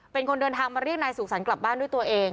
เป็นคนเดินทางมาเรียกนายสุขสรรค์กลับบ้านด้วยตัวเอง